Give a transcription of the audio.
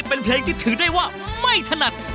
เป็นเพลงที่ถือได้ว่าไม่ถนัด